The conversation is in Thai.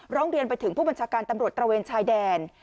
ร้องเรียนไปถึงผู้บัญชาการตำรวจตระเวนชายแดน